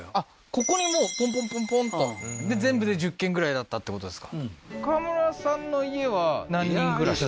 ここにもうポンポンポンポンとで全部で１０軒ぐらいだったってことですか